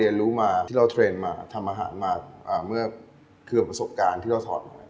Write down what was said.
ที่เราเทรนมาทำอาหารมาเมื่อกมกฏคมประสงค์ที่เราธอด